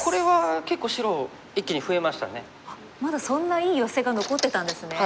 まだそんないいヨセが残ってたんですね。